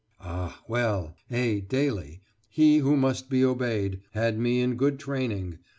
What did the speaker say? Ah, well! A. Daly he who must be obeyed had me in good training.